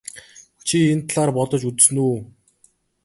Чи энэ талаар бодож үзсэн үү?